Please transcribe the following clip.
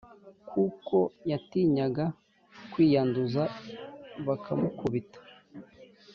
kuko yatinyaga kwiyanduza bakamukubita